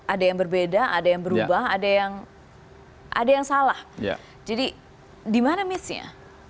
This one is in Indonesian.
ada yang berbeda ada yang berubah ada yang ada yang salah jadi di mana missnya